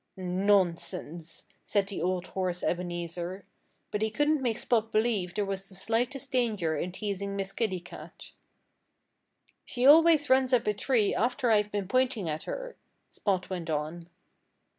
"Nonsense!" said the old horse Ebenezer. But he couldn't make Spot believe there was the slightest danger in teasing Miss Kitty Cat. "She always runs up a tree after I've been pointing at her," Spot went on.